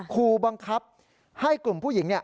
ครูบังคับให้กลุ่มผู้หญิง